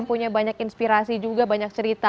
punya banyak inspirasi juga banyak cerita